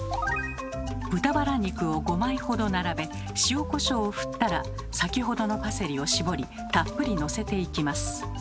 豚バラ肉を５枚ほど並べ塩こしょうをふったら先ほどのパセリを絞りたっぷりのせていきます。